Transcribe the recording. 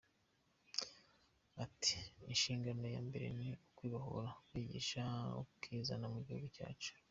Ati” Inshingano ya mbere ni ukwibohora, kwishyira ukizana mu gihugu cyacu.